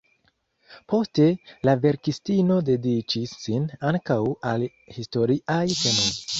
Poste, la verkistino dediĉis sin ankaŭ al historiaj temoj.